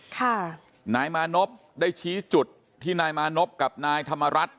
ค่ะนายมานพได้ชี้จุดที่นายมานพกับนายธรรมรัฐ